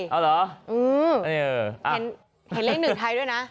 เห็นเลข๑ไทยด้วยนะ